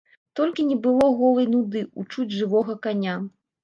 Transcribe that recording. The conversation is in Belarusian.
Толькі не было голай нуды ў чуць жывога каня.